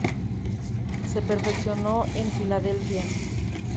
Se perfeccionó en Filadelfia.